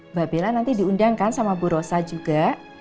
mbak bella nanti diundang kan sama bu rosa juga